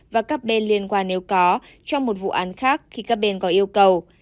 và các bên liên quan nếu có trong một vụ án khác khi các bên có yêu cầu